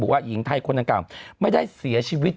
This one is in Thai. ว่าหญิงไทยคนดังกล่าวไม่ได้เสียชีวิต